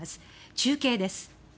中継です。